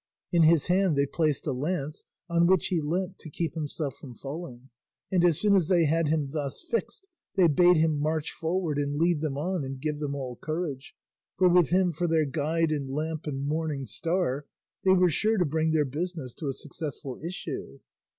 In his hand they placed a lance, on which he leant to keep himself from falling, and as soon as they had him thus fixed they bade him march forward and lead them on and give them all courage; for with him for their guide and lamp and morning star, they were sure to bring their business to a successful issue.